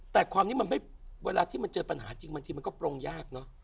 แต่ความนี้มันไม่เวลาที่มันเจอปัญหาจริงบางทีมันก็ปรงยากเนอะ